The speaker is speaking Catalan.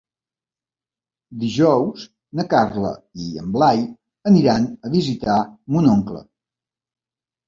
Dijous na Carla i en Blai aniran a visitar mon oncle.